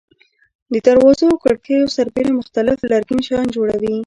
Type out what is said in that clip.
د دروازو او کړکیو سربېره مختلف لرګین شیان جوړوي.